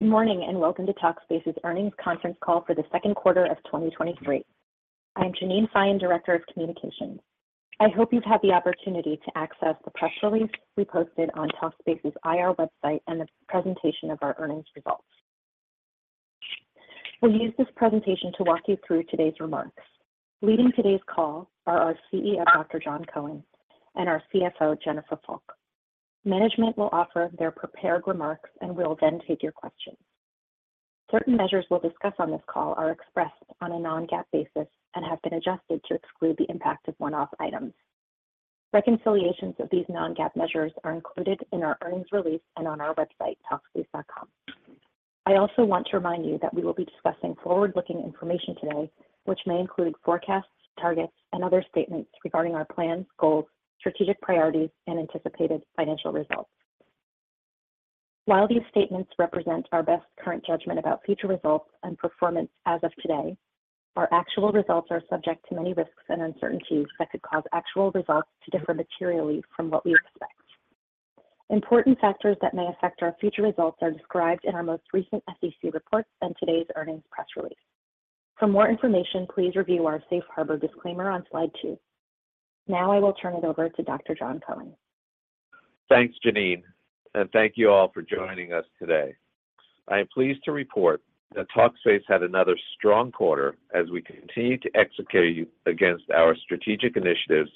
Good morning, welcome to Talkspace's Earnings Conference Call for the second quarter of 2023. I'm Jeannine Feyen, Director of Communications. I hope you've had the opportunity to access the press release we posted on Talkspace's IR website and the presentation of our earnings results. We'll use this presentation to walk you through today's remarks. Leading today's call are our CEO, Dr. Jon Cohen, and our CFO, Jennifer Fulk. Management will offer their prepared remarks, and we'll then take your questions. Certain measures we'll discuss on this call are expressed on a non-GAAP basis and have been adjusted to exclude the impact of one-off items. Reconciliations of these non-GAAP measures are included in our earnings release and on our website, talkspace.com. I also want to remind you that we will be discussing forward-looking information today, which may include forecasts, targets, and other statements regarding our plans, goals, strategic priorities, and anticipated financial results. While these statements represent our best current judgment about future results and performance as of today, our actual results are subject to many risks and uncertainties that could cause actual results to differ materially from what we expect. Important factors that may affect our future results are described in our most recent SEC reports and today's earnings press release. For more information, please review our safe harbor disclaimer on slide 2. I will turn it over to Dr. Jon Cohen. Thanks, Jeannine, and thank you all for joining us today. I am pleased to report that Talkspace had another strong quarter as we continue to execute against our strategic initiatives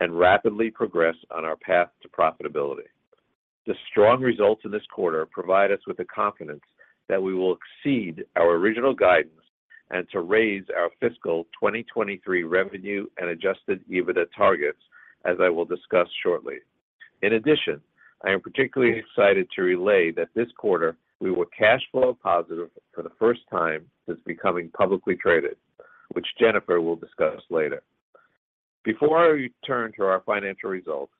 and rapidly progress on our path to profitability. The strong results in this quarter provide us with the confidence that we will exceed our original guidance and to raise our fiscal 2023 revenue and Adjusted EBITDA targets, as I will discuss shortly. In addition, I am particularly excited to relay that this quarter, we were cash flow positive for the first time since becoming publicly traded, which Jennifer will discuss later. Before I turn to our financial results,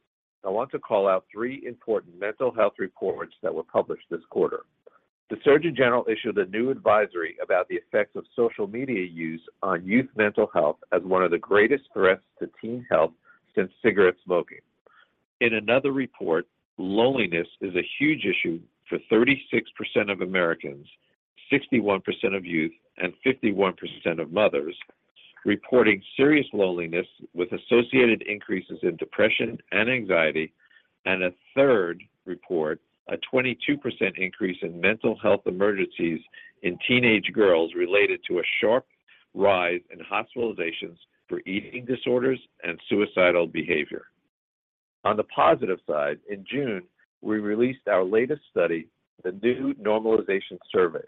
I want to call out three important mental health reports that were published this quarter. The Surgeon General issued a new advisory about the effects of social media use on youth mental health as one of the greatest threats to teen health since cigarette smoking. In another report, loneliness is a huge issue for 36% of Americans, 61% of youth, and 51% of mothers, reporting serious loneliness with associated increases in depression and anxiety. A third report, a 22% increase in mental health emergencies in teenage girls related to a sharp rise in hospitalizations for eating disorders and suicidal behavior. On the positive side, in June, we released our latest study, the New Normalization Survey.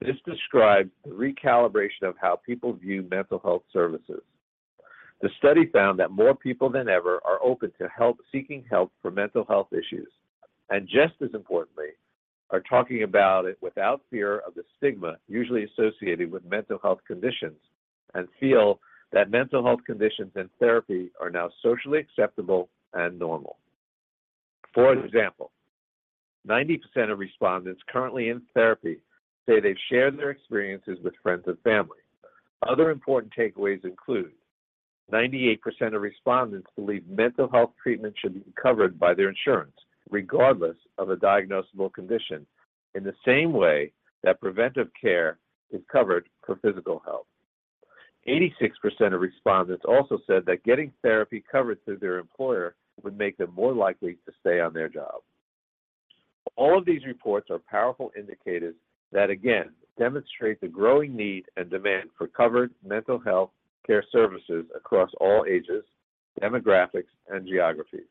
This describes the recalibration of how people view mental health services. The study found that more people than ever are open to help, seeking help for mental health issues, and just as importantly, are talking about it without fear of the stigma usually associated with mental health conditions, and feel that mental health conditions and therapy are now socially acceptable and normal. For example, 90% of respondents currently in therapy say they've shared their experiences with friends and family. Other important takeaways include: 98% of respondents believe mental health treatment should be covered by their insurance, regardless of a diagnosable condition, in the same way that preventive care is covered for physical health. 86% of respondents also said that getting therapy covered through their employer would make them more likely to stay on their job. All of these reports are powerful indicators that, again, demonstrate the growing need and demand for covered mental health care services across all ages, demographics, and geographies.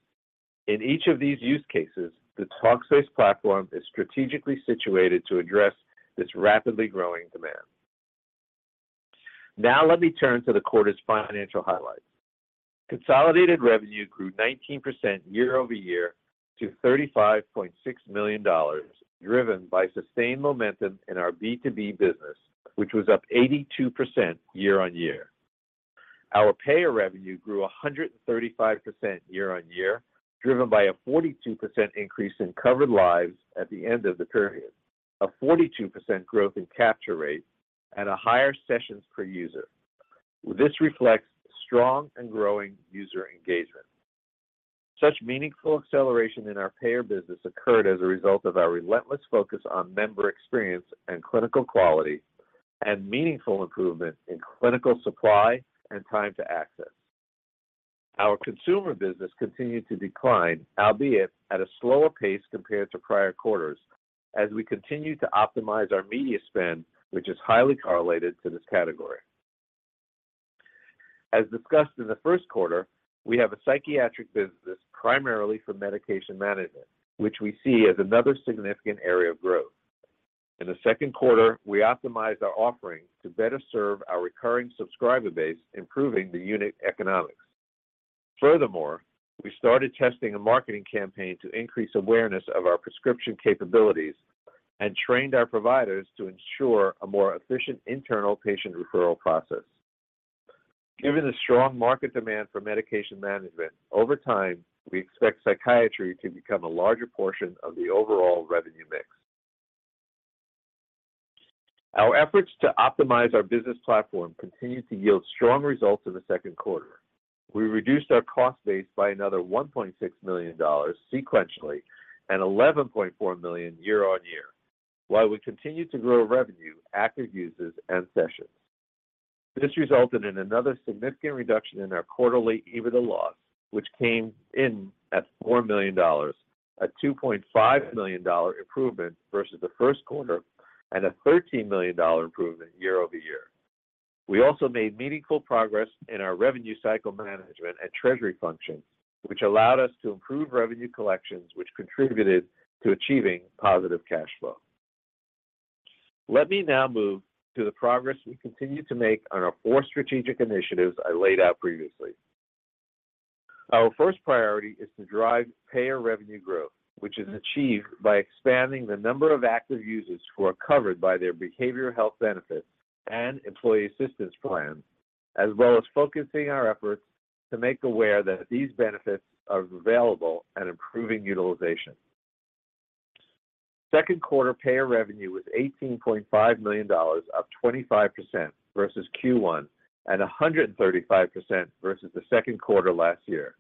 In each of these use cases, the Talkspace platform is strategically situated to address this rapidly growing demand. Let me turn to the quarter's financial highlights. Consolidated revenue grew 19% year-over-year to $35.6 million, driven by sustained momentum in our B2B business, which was up 82% year-on-year. Our payer revenue grew 135% year-on-year, driven by a 42% increase in covered lives at the end of the period, a 42% growth in capture rate, and a higher sessions per user. This reflects strong and growing user engagement. Such meaningful acceleration in our payer business occurred as a result of our relentless focus on member experience and clinical quality, and meaningful improvement in clinical supply and time to access. Our consumer business continued to decline, albeit at a slower pace compared to prior quarters, as we continue to optimize our media spend, which is highly correlated to this category. As discussed in the first quarter, we have a psychiatric business primarily for medication management, which we see as another significant area of growth. In the second quarter, we optimized our offerings to better serve our recurring subscriber base, improving the unit economics. Furthermore, we started testing a marketing campaign to increase awareness of our prescription capabilities and trained our providers to ensure a more efficient internal patient referral process. Given the strong market demand for medication management, over time, we expect psychiatry to become a larger portion of the overall revenue mix. Our efforts to optimize our business platform continued to yield strong results in the second quarter. We reduced our cost base by another $1.6 million sequentially, and $11.4 million year-over-year, while we continued to grow revenue, active users, and sessions. This resulted in another significant reduction in our quarterly Adjusted EBITDA loss, which came in at $4 million, a $2.5 million improvement versus the first quarter and a $13 million improvement year-over-year. We also made meaningful progress in our Revenue Cycle Management and treasury function, which allowed us to improve revenue collections, which contributed to achieving positive cash flow. Let me now move to the progress we continue to make on our 4 strategic initiatives I laid out previously. Our first priority is to drive payer revenue growth, which is achieved by expanding the number of active users who are covered by their behavioral health benefits and employee assistance plans, as well as focusing our efforts to make aware that these benefits are available and improving utilization. Second quarter payer revenue was $18.5 million, up 25% versus Q1 and 135% versus the second quarter last year.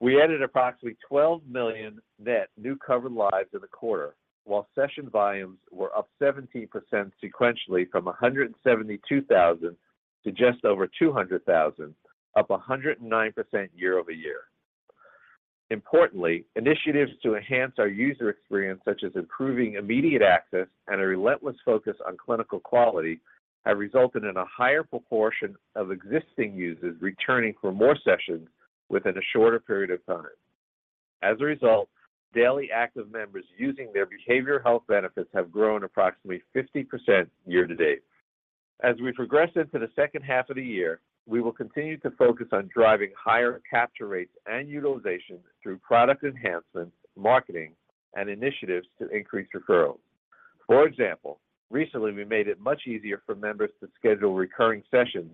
We added approximately 12 million net new covered lives in the quarter, while session volumes were up 17% sequentially from 172,000 to just over 200,000, up 109% year-over-year. Importantly, initiatives to enhance our user experience, such as improving immediate access and a relentless focus on clinical quality, have resulted in a higher proportion of existing users returning for more sessions within a shorter period of time. As a result, daily active members using their behavioral health benefits have grown approximately 50% year to date. As we progress into the second half of the year, we will continue to focus on driving higher capture rates and utilization through product enhancements, marketing, and initiatives to increase referrals. For example, recently, we made it much easier for members to schedule recurring sessions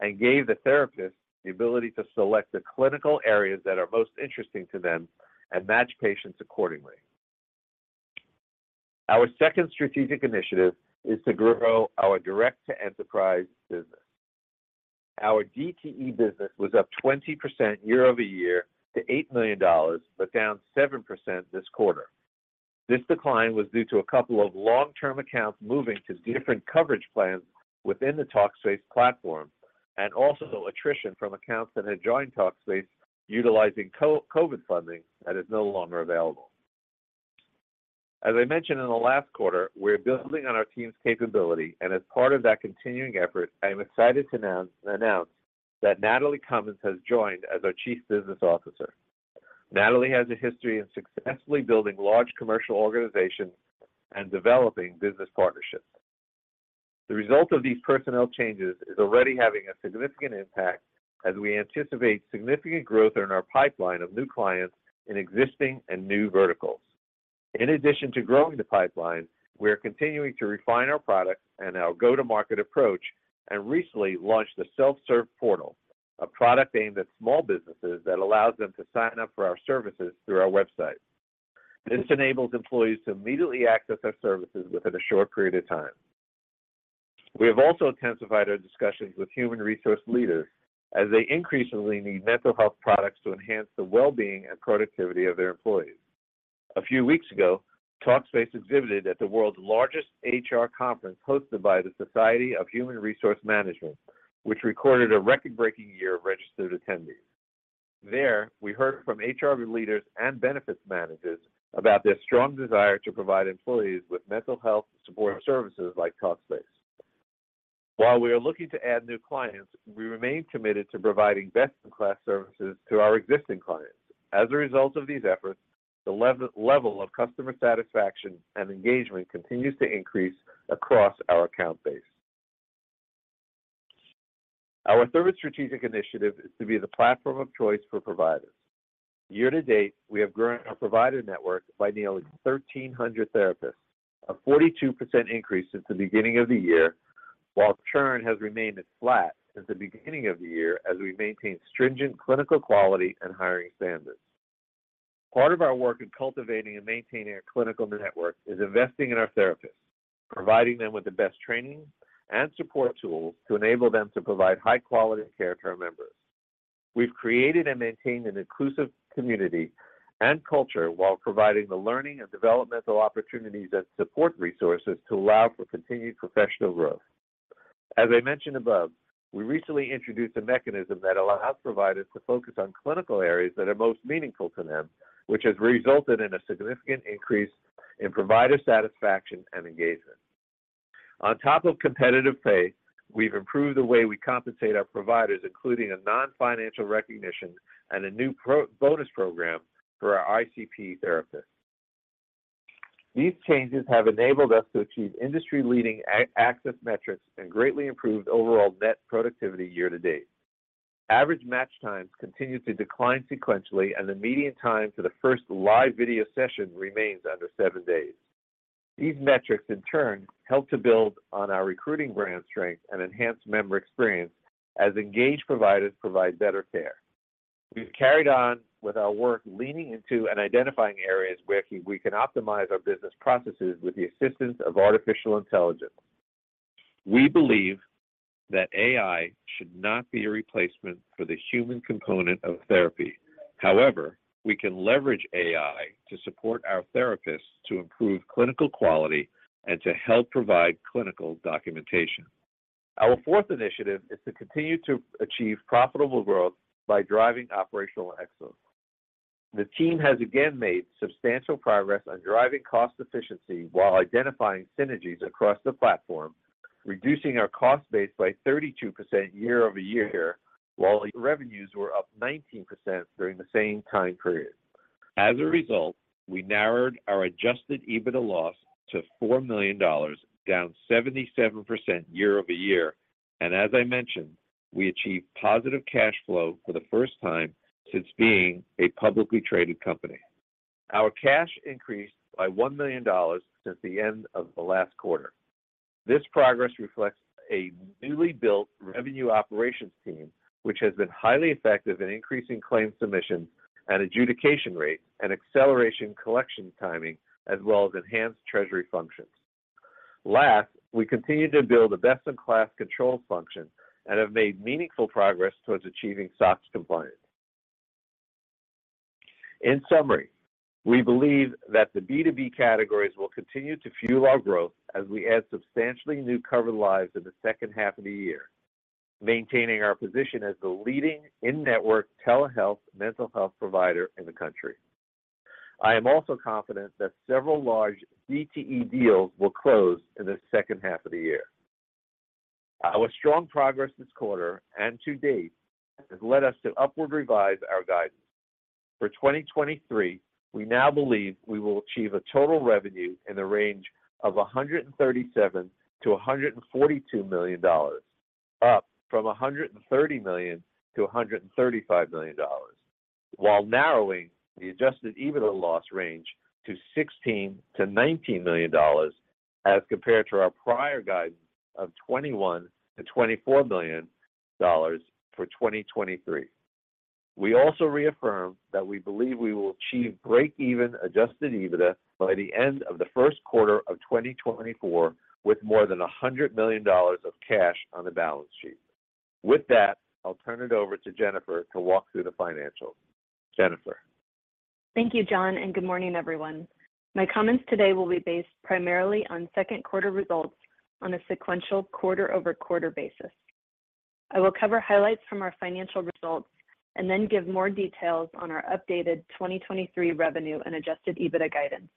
and gave the therapist the ability to select the clinical areas that are most interesting to them and match patients accordingly. Our second strategic initiative is to grow our direct-to-enterprise business. Our DTE business was up 20% year-over-year to $8 million, but down 7% this quarter. This decline was due to a couple of long-term accounts moving to different coverage plans within the Talkspace platform, and also attrition from accounts that had joined Talkspace utilizing COVID funding that is no longer available. As I mentioned in the last quarter, we're building on our team's capability, and as part of that continuing effort, I am excited to announce that Natalie Cummins has joined as our Chief Business Officer. Natalie has a history of successfully building large commercial organizations and developing business partnerships. The result of these personnel changes is already having a significant impact as we anticipate significant growth in our pipeline of new clients in existing and new verticals. In addition to growing the pipeline, we are continuing to refine our product and our go-to-market approach, and recently launched the self-serve portal, a product aimed at small businesses that allows them to sign up for our services through our website. This enables employees to immediately access our services within a short period of time. We have also intensified our discussions with human resource leaders as they increasingly need mental health products to enhance the well-being and productivity of their employees. A few weeks ago, Talkspace exhibited at the world's largest HR conference hosted by the Society for Human Resource Management, which recorded a record-breaking year of registered attendees. There, we heard from HR leaders and benefits managers about their strong desire to provide employees with mental health support services like Talkspace. While we are looking to add new clients, we remain committed to providing best-in-class services to our existing clients. As a result of these efforts, the level of customer satisfaction and engagement continues to increase across our account base. Our third strategic initiative is to be the platform of choice for providers. Year to date, we have grown our provider network by nearly 1,300 therapists, a 42% increase since the beginning of the year, while churn has remained at flat since the beginning of the year, as we maintain stringent clinical quality and hiring standards. Part of our work in cultivating and maintaining our clinical network is investing in our therapists, providing them with the best training and support tools to enable them to provide high quality care to our members. We've created and maintained an inclusive community and culture while providing the learning and developmental opportunities and support resources to allow for continued professional growth. As I mentioned above, we recently introduced a mechanism that allows providers to focus on clinical areas that are most meaningful to them, which has resulted in a significant increase in provider satisfaction and engagement. On top of competitive pay, we've improved the way we compensate our providers, including a non-financial recognition and a new bonus program for our ICP therapists. These changes have enabled us to achieve industry-leading access metrics and greatly improved overall net productivity year to date. Average match times continue to decline sequentially, and the median time for the first live video session remains under 7 days. These metrics, in turn, help to build on our recruiting brand strength and enhance member experience as engaged providers provide better care.... We've carried on with our work, leaning into and identifying areas where we can optimize our business processes with the assistance of artificial intelligence. We believe that AI should not be a replacement for the human component of therapy. However, we can leverage AI to support our therapists to improve clinical quality and to help provide clinical documentation. Our fourth initiative is to continue to achieve profitable growth by driving operational excellence. The team has again made substantial progress on driving cost efficiency while identifying synergies across the platform, reducing our cost base by 32% year-over-year, while revenues were up 19% during the same time period. As a result, we narrowed our Adjusted EBITDA loss to $4 million, down 77% year-over-year, and as I mentioned, we achieved positive cash flow for the first time since being a publicly traded company. Our cash increased by $1 million since the end of the last quarter. This progress reflects a newly built revenue operations team, which has been highly effective in increasing claim submissions and adjudication rate and acceleration collection timing, as well as enhanced treasury functions. Last, we continue to build a best-in-class controls function and have made meaningful progress towards achieving SOX compliance. In summary, we believe that the B2B categories will continue to fuel our growth as we add substantially new covered lives in the second half of the year, maintaining our position as the leading in-network telehealth mental health provider in the country. I am also confident that several large DTE deals will close in the second half of the year. Our strong progress this quarter and to date has led us to upward revise our guidance. For 2023, we now believe we will achieve a total revenue in the range of $137 million-$142 million, up from $130 million-$135 million, while narrowing the Adjusted EBITDA loss range to $16 million-$19 million as compared to our prior guidance of $21 million-$24 million for 2023. We also reaffirm that we believe we will achieve break-even Adjusted EBITDA by the end of the first quarter of 2024, with more than $100 million of cash on the balance sheet. With that, I'll turn it over to Jennifer to walk through the financials. Jennifer? Thank you, Jon. Good morning, everyone. My comments today will be based primarily on second quarter results on a sequential quarter-over-quarter basis. I will cover highlights from our financial results and then give more details on our updated 2023 revenue and Adjusted EBITDA guidance.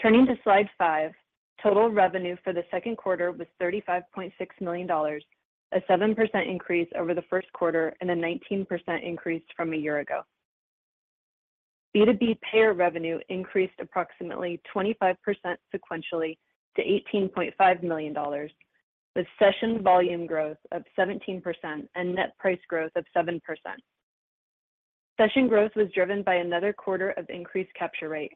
Turning to Slide 5, total revenue for the second quarter was $35.6 million, a 7% increase over the first quarter and a 19% increase from a year ago. B2B payer revenue increased approximately 25% sequentially to $18.5 million, with session volume growth of 17% and net price growth of 7%. Session growth was driven by another quarter of increased capture rate.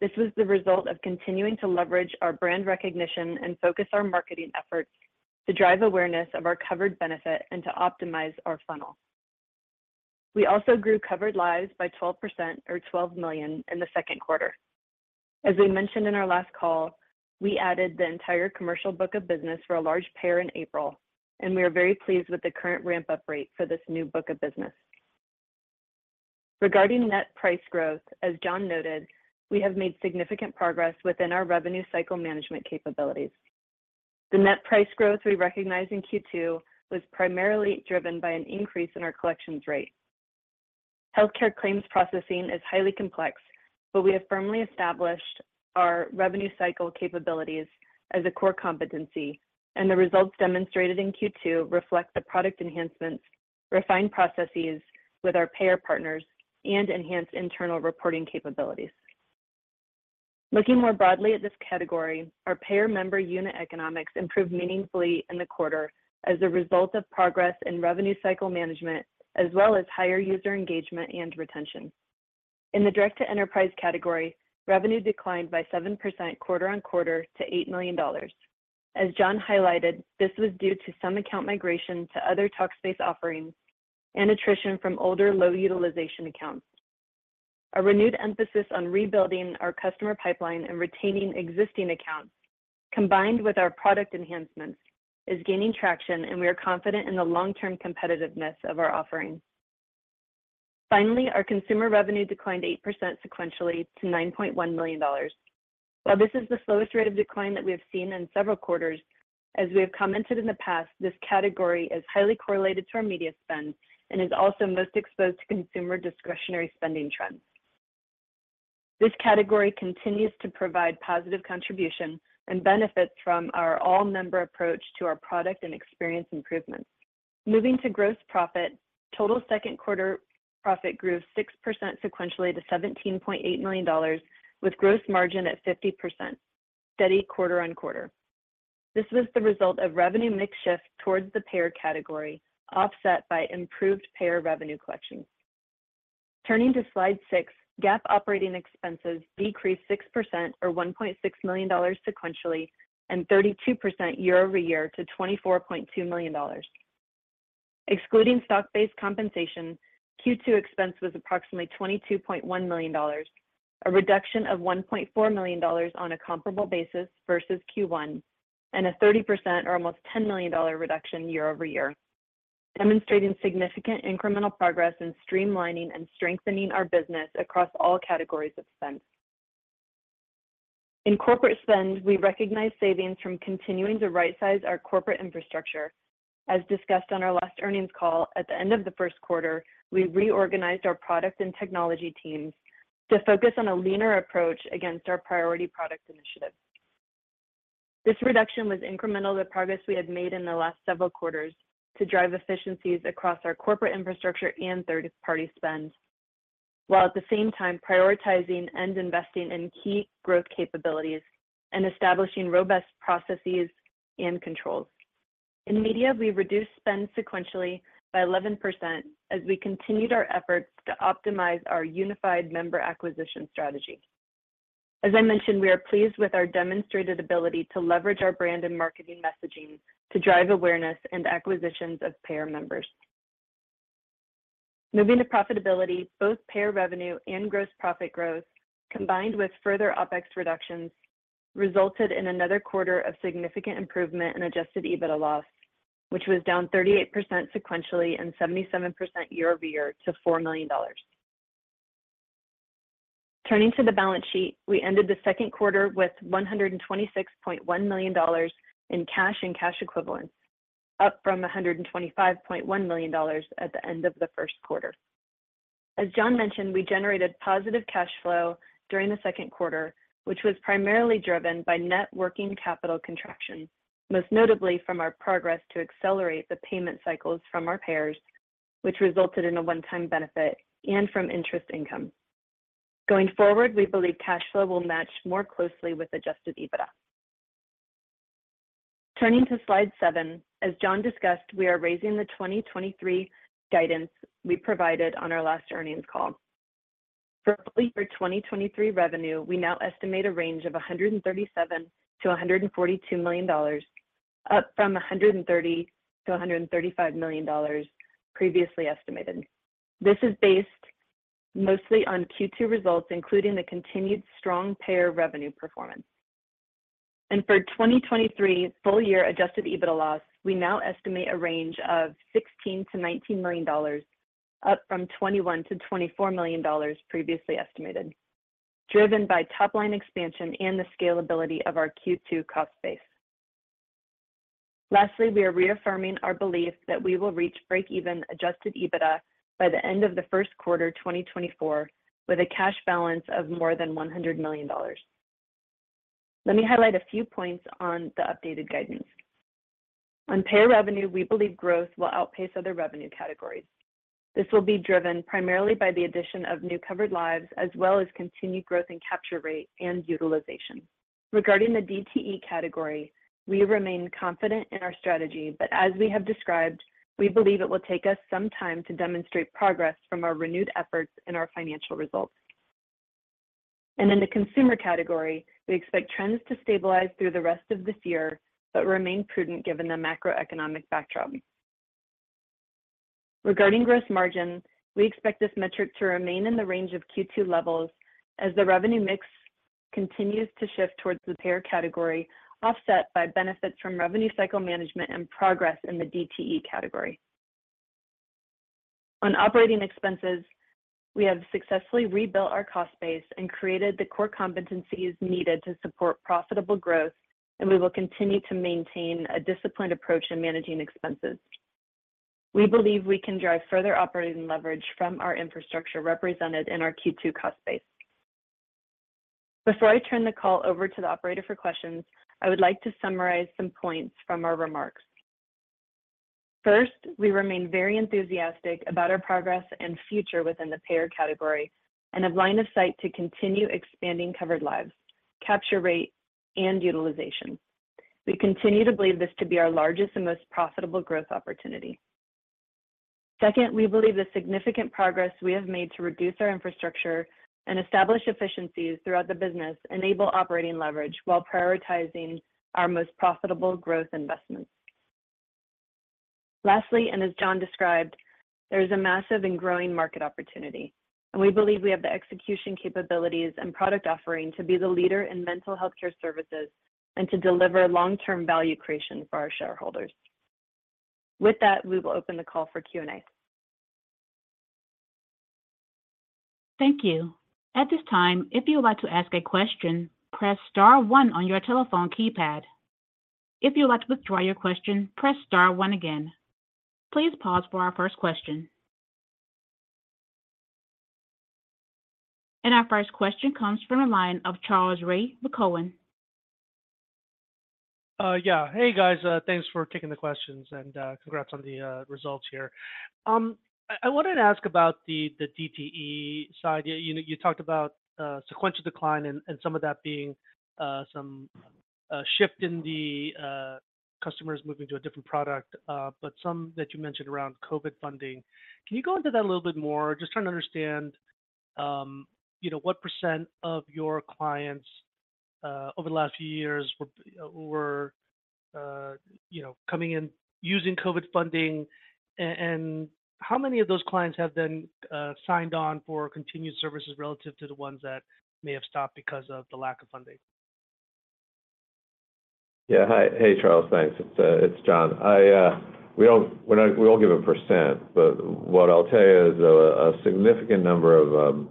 This was the result of continuing to leverage our brand recognition and focus our marketing efforts to drive awareness of our covered benefit and to optimize our funnel. We also grew covered lives by 12% or $12 million in the second quarter. As we mentioned in our last call, we added the entire commercial book of business for a large payer in April, and we are very pleased with the current ramp-up rate for this new book of business. Regarding net price growth, as Jon noted, we have made significant progress within our Revenue Cycle Management capabilities. The net price growth we recognized in Q2 was primarily driven by an increase in our collections rate. Healthcare claims processing is highly complex, but we have firmly established our Revenue Cycle capabilities as a core competency, and the results demonstrated in Q2 reflect the product enhancements, refined processes with our payer partners, and enhanced internal reporting capabilities. Looking more broadly at this category, our payer member unit economics improved meaningfully in the quarter as a result of progress in Revenue Cycle Management, as well as higher user engagement and retention. In the direct to enterprise category, revenue declined by 7% quarter-over-quarter to $8 million. As Jon highlighted, this was due to some account migration to other Talkspace offerings and attrition from older, low utilization accounts. A renewed emphasis on rebuilding our customer pipeline and retaining existing accounts, combined with our product enhancements, is gaining traction, and we are confident in the long-term competitiveness of our offerings. Our consumer revenue declined 8% sequentially to $9.1 million. While this is the slowest rate of decline that we have seen in several quarters, as we have commented in the past, this category is highly correlated to our media spend and is also most exposed to consumer discretionary spending trends. This category continues to provide positive contribution and benefits from our all member approach to our product and experience improvements. Moving to gross profit, total second quarter profit grew 6% sequentially to $17.8 million, with gross margin at 50%, steady quarter-over-quarter. This was the result of revenue mix shift towards the payer category, offset by improved payer revenue collections. Turning to Slide 6, GAAP operating expenses decreased 6% or $1.6 million sequentially, and 32% year-over-year to $24.2 million. Excluding stock-based compensation, Q2 expense was approximately $22.1 million, a reduction of $1.4 million on a comparable basis versus Q1, and a 30% or almost $10 million reduction year-over-year, demonstrating significant incremental progress in streamlining and strengthening our business across all categories of spend. In corporate spend, we recognized savings from continuing to rightsize our corporate infrastructure. As discussed on our last earnings call, at the end of the first quarter, we reorganized our product and technology teams to focus on a leaner approach against our priority product initiatives. This reduction was incremental to progress we had made in the last several quarters to drive efficiencies across our corporate infrastructure and third-party spend, while at the same time prioritizing and investing in key growth capabilities and establishing robust processes and controls. In media, we reduced spend sequentially by 11% as we continued our efforts to optimize our unified member acquisition strategy. As I mentioned, we are pleased with our demonstrated ability to leverage our brand and marketing messaging to drive awareness and acquisitions of payer members. Moving to profitability, both payer revenue and gross profit growth, combined with further OpEx reductions, resulted in another quarter of significant improvement in Adjusted EBITDA loss, which was down 38% sequentially and 77% year-over-year to $4 million. Turning to the balance sheet, we ended the second quarter with $126.1 million in cash and cash equivalents, up from $125.1 million at the end of the first quarter. As Jon Cohen mentioned, we generated positive cash flow during the second quarter, which was primarily driven by net working capital contraction, most notably from our progress to accelerate the payment cycles from our payers, which resulted in a one-time benefit and from interest income. Going forward, we believe cash flow will match more closely with Adjusted EBITDA. Turning to Slide 7, as Jon Cohen discussed, we are raising the 2023 guidance we provided on our last earnings call. For 2023 revenue, we now estimate a range of $137 million-$142 million, up from $130 million-$135 million previously estimated. This is based mostly on Q2 results, including the continued strong payer revenue performance. For 2023 full year Adjusted EBITDA loss, we now estimate a range of $16 million-$19 million, up from $21 million-$24 million previously estimated, driven by top-line expansion and the scalability of our Q2 cost base. Lastly, we are reaffirming our belief that we will reach break-even Adjusted EBITDA by the end of the first quarter 2024, with a cash balance of more than $100 million. Let me highlight a few points on the updated guidance. On payer revenue, we believe growth will outpace other revenue categories. This will be driven primarily by the addition of new covered lives, as well as continued growth in capture rate and utilization. Regarding the DTE category, we remain confident in our strategy, but as we have described, we believe it will take us some time to demonstrate progress from our renewed efforts in our financial results. In the consumer category, we expect trends to stabilize through the rest of this year, but remain prudent given the macroeconomic backdrop. Regarding gross margin, we expect this metric to remain in the range of Q2 levels as the revenue mix continues to shift towards the payer category, offset by benefits from Revenue Cycle Management and progress in the DTE category. On operating expenses, we have successfully rebuilt our cost base and created the core competencies needed to support profitable growth, and we will continue to maintain a disciplined approach in managing expenses. We believe we can drive further operating leverage from our infrastructure represented in our Q2 cost base. Before I turn the call over to the operator for questions, I would like to summarize some points from our remarks. First, we remain very enthusiastic about our progress and future within the payer category and have line of sight to continue expanding covered lives, capture rate, and utilization. We continue to believe this to be our largest and most profitable growth opportunity. Second, we believe the significant progress we have made to reduce our infrastructure and establish efficiencies throughout the business enable operating leverage while prioritizing our most profitable growth investments. Lastly, as Jon described, there is a massive and growing market opportunity, and we believe we have the execution capabilities and product offering to be the leader in mental healthcare services and to deliver long-term value creation for our shareholders. With that, we will open the call for Q&A. Thank you. At this time, if you would like to ask a question, press star one on your telephone keypad. If you would like to withdraw your question, press star one again. Please pause for our first question. Our first question comes from the line of Charles Rhyee with Cowen. Yeah. Hey, guys, thanks for taking the questions and congrats on the results here. I wanted to ask about the DTE side. You know, you talked about sequential decline and some of that being a shift in the customers moving to a different product, but some that you mentioned around COVID funding. Can you go into that a little bit more? Just trying to understand, you know, what % of your clients over the last few years were, you know, coming in using COVID funding, and how many of those clients have then signed on for continued services relative to the ones that may have stopped because of the lack of funding? Yeah. Hi. Hey, Charles. Thanks. It's Jon. I we're not, we won't give a %, but what I'll tell you is a significant number of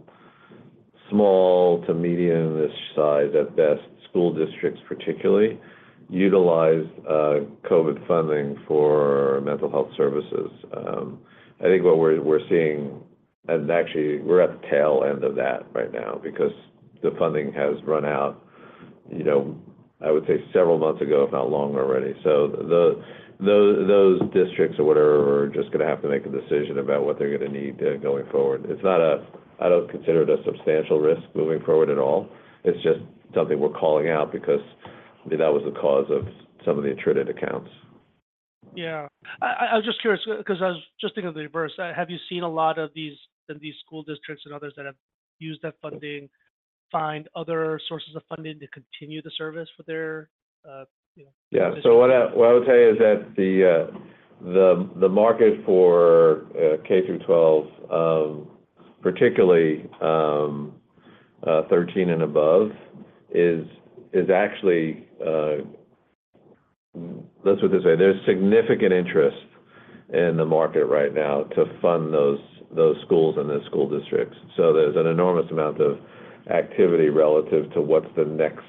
small to medium-ish size, at best, school districts particularly, utilized COVID funding for mental health services. I think what we're seeing, and actually we're at the tail end of that right now because the funding has run out, you know, I would say several months ago, if not longer already. Those districts or whatever, are just gonna have to make a decision about what they're gonna need going forward. It's not a, I don't consider it a substantial risk moving forward at all. It's just something we're calling out because that was the cause of some of the attrited accounts. Yeah. I was just curious because I was just thinking of the reverse. Have you seen a lot of these, in these school districts and others that have used that funding, find other sources of funding to continue the service for their, you know? Yeah. What I would say is that the market for K-12, particularly 13 and above, is actually, let's just say there's significant interest in the market right now to fund those schools and those school districts. There's an enormous amount of activity relative to what's the next,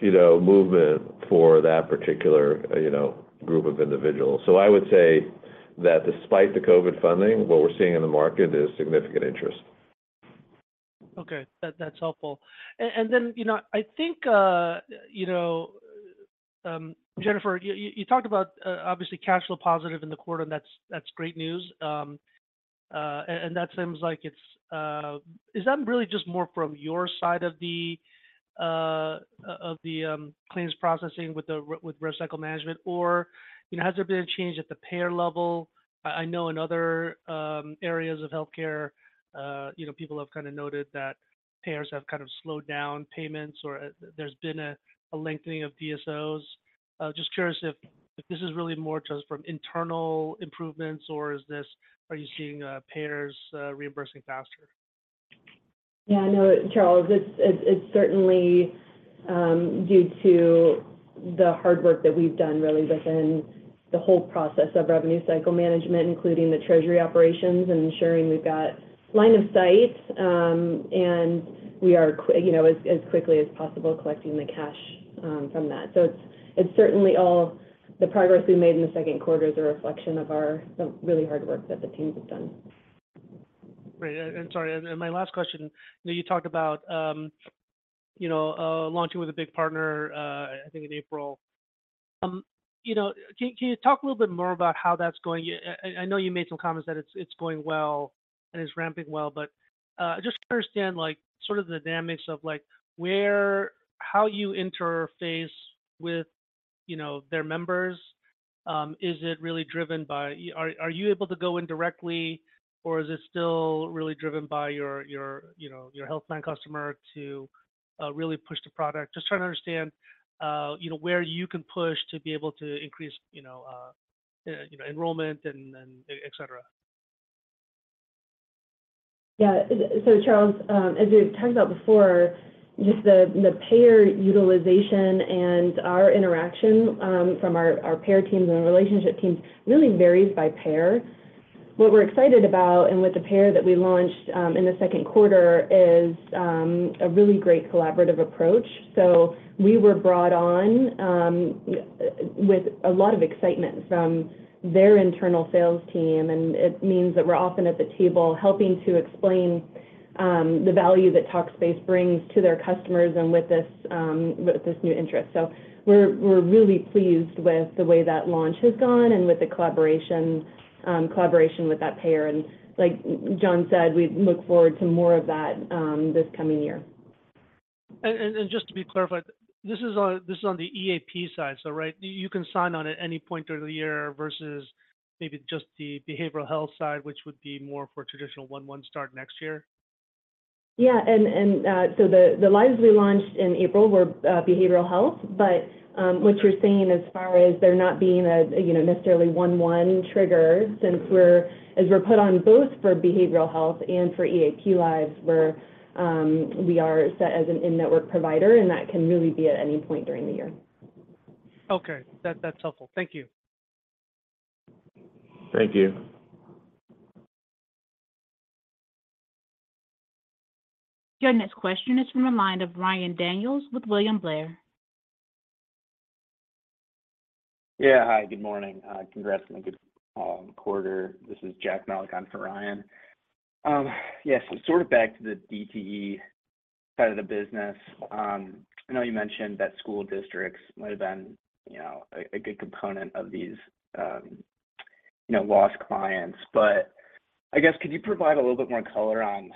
you know, movement for that particular, you know, group of individuals. I would say that despite the COVID funding, what we're seeing in the market is significant interest. Okay. That's helpful. Then, you know, I think, you know, Jennifer, you talked about, obviously, cash flow positive in the quarter, and that's great news. And that seems like it's. Is that really just more from your side of the claims processing with Revenue Cycle Management? You know, has there been a change at the payer level? I know in other areas of healthcare, you know, people have kind of noted that payers have kind of slowed down payments or there's been a lengthening of DSO. Just curious if this is really more just from internal improvements or are you seeing payers reimbursing faster? Yeah, no, Charles, it's certainly, due to the hard work that we've done really within the whole process of Revenue Cycle Management, including the treasury operations and ensuring we've got line of sight, and we are you know, as quickly as possible, collecting the cash from that. It's certainly all the progress we made in the second quarter is a reflection of our, the really hard work that the teams have done. Great. Sorry, and my last question, you know, you talked about, you know, launching with a big partner, I think in April. You know, can you talk a little bit more about how that's going? I know you made some comments that it's going well and it's ramping well, just to understand, like, sort of the dynamics of like, where, how you interface with, you know, their members. Is it really driven by... Are you able to go in directly, or is it still really driven by your, you know, your health plan customer to, really push the product? Just trying to understand, you know, where you can push to be able to increase, you know, enrollment and then et cetera. Yeah. Charles, as we talked about before, just the payer utilization and our interaction, from our payer teams and our relationship teams really varies by payer. What we're excited about, and with the payer that we launched, in the second quarter, is a really great collaborative approach. We were brought on, with a lot of excitement from their internal sales team, and it means that we're often at the table helping to explain, the value that Talkspace brings to their customers and with this, with this new interest. We're really pleased with the way that launch has gone and with the collaboration with that payer. Like Jon said, we look forward to more of that, this coming year. Just to be clarified, this is on the EAP side, so right, you can sign on at any point during the year versus maybe just the behavioral health side, which would be more for traditional one start next year? The lives we launched in April were behavioral health, but what you're seeing as far as there not being a, you know, necessarily one, one trigger, as we're put on both for behavioral health and for EAP lives, we are set as an in-network provider, and that can really be at any point during the year. Okay. That, that's helpful. Thank you. Thank you. Your next question is from the line of Ryan Daniels with William Blair. Hi, good morning. Congrats on a good quarter. This is Jack Miller on for Ryan. So sort of back to the DTE side of the business. I know you mentioned that school districts might have been, you know, a good component of these, you know, lost clients. I guess could you provide a little bit more color on,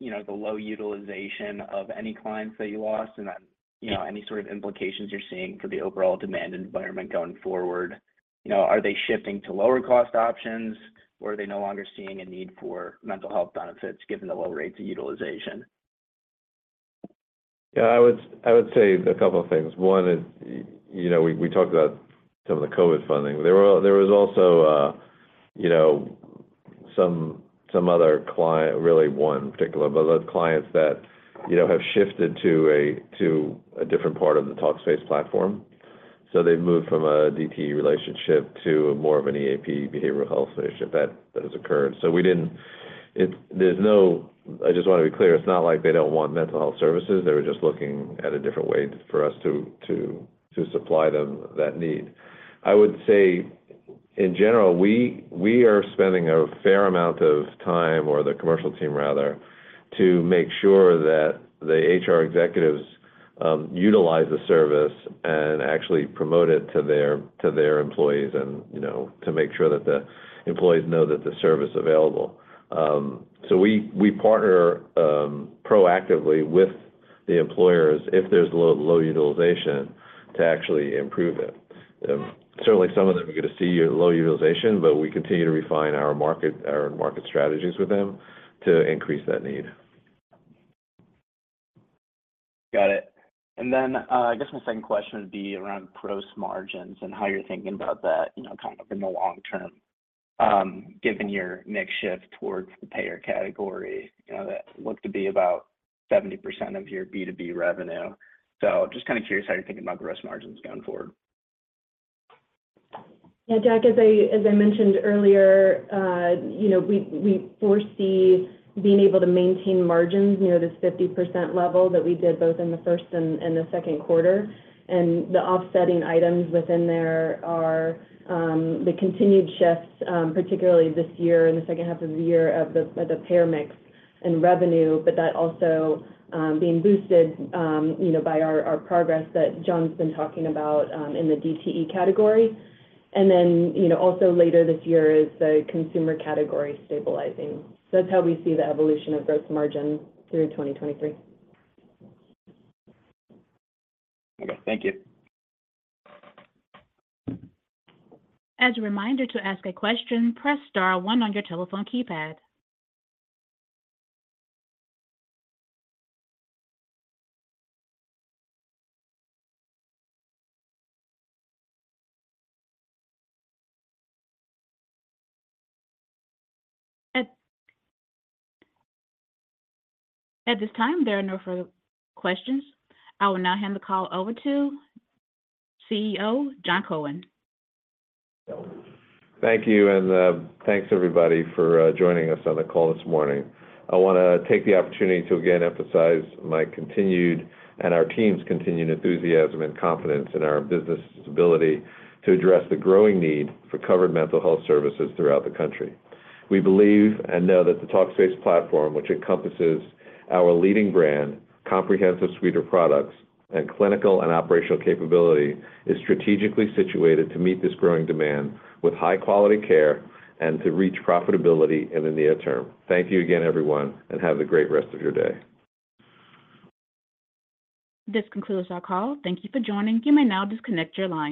you know, the low utilization of any clients that you lost and then, you know, any sort of implications you're seeing for the overall demand environment going forward? Are they shifting to lower cost options, or are they no longer seeing a need for mental health benefits given the low rates of utilization? I would say a couple of things. One is, you know, we talked about some of the COVID funding. There was also, you know, some other client, really one particular, but those clients that, you know, have shifted to a different part of the Talkspace platform. They've moved from a DTE relationship to more of an EAP behavioral health relationship. That has occurred. We didn't. I just want to be clear, it's not like they don't want mental health services. They were just looking at a different way for us to supply them that need. I would say, in general, we are spending a fair amount of time, or the commercial team rather, to make sure that the HR executives, utilize the service and actually promote it to their employees and, you know, to make sure that the employees know that the service is available. We partner, proactively with the employers if there's low utilization to actually improve it. Certainly some of them are gonna see low utilization, but we continue to refine our market strategies with them to increase that need. Got it. Then, I guess my second question would be around gross margins and how you're thinking about that, you know, kind of in the long term, given your mix shift towards the payer category, you know, that looked to be about 70% of your B2B revenue. Just kind of curious how you're thinking about gross margins going forward. Yeah, Jack, as I mentioned earlier, you know, we foresee being able to maintain margins near this 50% level that we did both in the first and the second quarter. The offsetting items within there are the continued shifts, particularly this year, in the second half of the year, of the payer mix and revenue, but that also being boosted, you know, by our progress that Jon Cohen's been talking about, in the DTE category. Then, you know, also later this year is the consumer category stabilizing. That's how we see the evolution of gross margin through 2023. Okay, thank you. As a reminder, to ask a question, press star 1 on your telephone keypad. At this time, there are no further questions. I will now hand the call over to CEO Jon Cohen. Thank you, and thanks everybody for joining us on the call this morning. I wanna take the opportunity to again emphasize my continued, and our team's continued, enthusiasm and confidence in our business's ability to address the growing need for covered mental health services throughout the country. We believe and know that the Talkspace platform, which encompasses our leading brand, comprehensive suite of products, and clinical and operational capability, is strategically situated to meet this growing demand with high quality care and to reach profitability in the near term. Thank you again, everyone, and have a great rest of your day. This concludes our call. Thank you for joining. You may now disconnect your line.